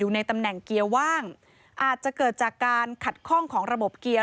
ในตำแหน่งเกียร์ว่างอาจจะเกิดจากการขัดข้องของระบบเกียร์